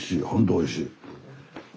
おいしいよ。